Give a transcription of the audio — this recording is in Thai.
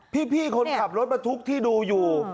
พี่คนขับรถบรรทุกที่ดูอยู่